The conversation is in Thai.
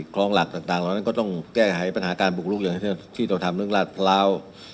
คลองหลักต่างก็ต้องแก้ไหายปัญหาการบุกรุกอย่างที่เราทำเรื่องราชาลาว